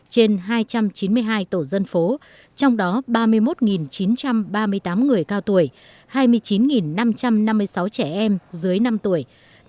trên hai trăm chín mươi hai tổ dân phố trong đó ba mươi một chín trăm ba mươi tám người cao tuổi hai mươi chín năm trăm năm mươi sáu trẻ em dưới năm tuổi